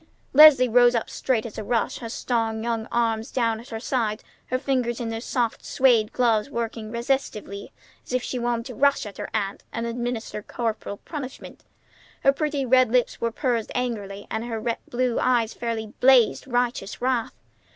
Leslie rose up straight as a rush, her strong young arms down at her sides, her fingers in their soft suède gloves working restively as if she wanted to rush at her aunt and administer corporal punishment. Her pretty red lips were pursed angrily, and her blue eyes fairly blazed righteous wrath.